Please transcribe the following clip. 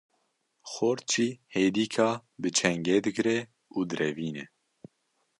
Xort jî hêdika bi çengê digre û direvîne.